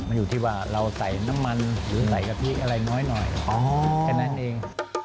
มันอยู่ที่ว่าเราใส่น้ำมันหรือใส่กะทิอะไรน้อยหน่อยแค่นั้นเอง